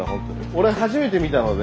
俺初めて見たので。